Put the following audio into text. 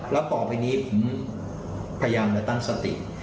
แล้วต่อไปนี้ผมพยายามจะตั้งสติ